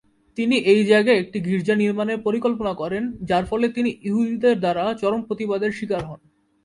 তিনি এই জায়গায় একটি গির্জা নির্মাণের পরিকল্পনা করেন যার ফলে তিনি ইহুদিদের দ্বারা চরম প্রতিবাদে শিকার হন।